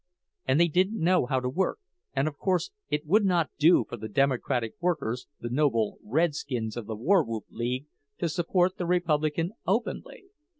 And they didn't know how to work, and of course it would not do for the Democratic workers, the noble redskins of the War Whoop League, to support the Republican openly.